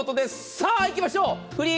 さあいきましょう。